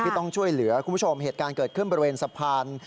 ต้องช่วยเหลือคุณผู้ชมเหตุการณ์เกิดขึ้นบริเวณสะพาน